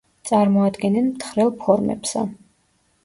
წარმოადგენენ მთხრელ ფორმებსა.